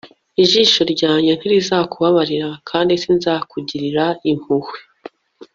Ijisho ryanjye ntirizakubabarira kandi sinzakugirira impuhwe